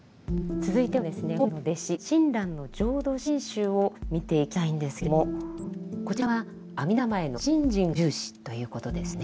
続いてはですね法然の弟子親鸞の浄土真宗を見ていきたいんですけれどもこちらは阿弥陀様への「信心」を重視ということですね。